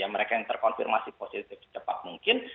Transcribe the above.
mereka yang terkonfirmasi positif secepat mungkin